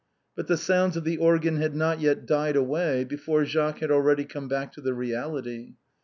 But the sounds of the organ had not yet died away before Jacques had already come back to the reality.